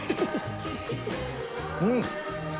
うん！